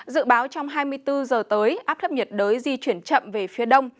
dự báo trong hai mươi bốn giờ tới áp thấp nhiệt đới di chuyển chậm về phía đông